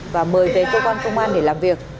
và mời về công an để làm việc